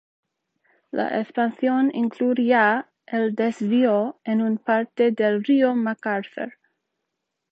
La expansión incluirá el desvío de una parte del río McArthur.